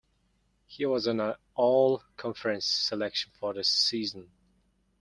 He was an all-conference selection for the season.